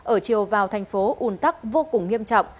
ở chiều vào thành phố un tắc vô cùng nghiêm trọng